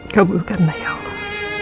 kaburkanlah ya allah